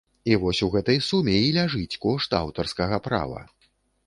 І вось у гэтай суме і ляжыць кошт аўтарскага права.